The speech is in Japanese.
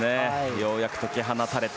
ようやく解き放たれた。